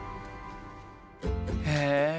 へえ！